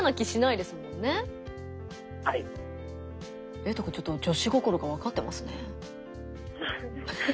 えいとくんちょっと女子心が分かってますね。